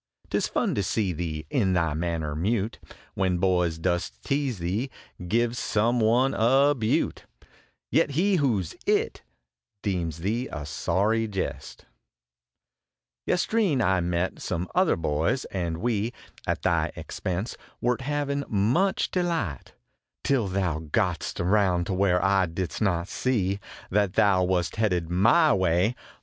Tis fun to see thee, in thy manner mute, SONNETS OF A BUDDING BARD When boys dost tease thee, give some one a " beaut, Yet, he who s " it " deems thee a sorry jest. Yestreen I met some other boys, and we, At thy expense, wert havin much delight Till thou got st round to where I didst not see That thou wast headed my way.